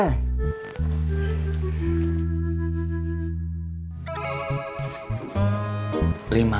lima ribu dapat kue apa bapak